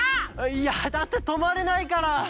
いやだってとまれないから！